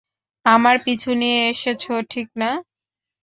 আমার পিছু নিয়ে এসেছ, ঠিক না?